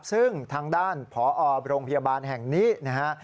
ซึ่งทางด้านผอโรงพยาบาลแห่งนี้นะฮะ